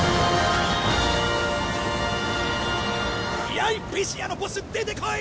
やいピシアのボス出てこい！